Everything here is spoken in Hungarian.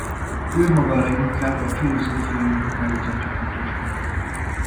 Ő maga leginkább a filozófiai munkáit tartja fontosnak.